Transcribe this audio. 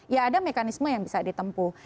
ya ada mekanisme yang bisa ditempuh